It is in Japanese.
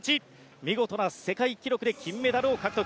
見事な世界記録で金メダルを獲得。